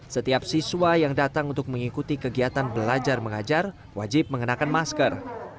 setiap siswa yang datang untuk mengikuti kegiatan belajar mengajar wajib mengenakan masker